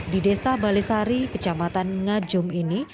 di desa balesari kecamatan ngajum ini